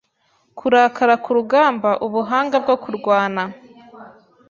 kurakara ku rugamba ubuhanga bwo kurwana